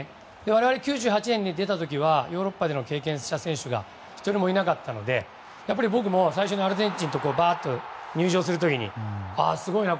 我々、９８年に出た時はヨーロッパで経験した選手が１人もいなかったので僕も最初にアルゼンチンとばーっと入場する時にすごいな！